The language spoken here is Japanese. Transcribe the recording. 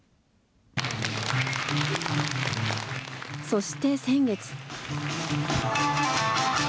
そして先月。